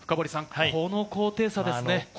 この高低差ですね。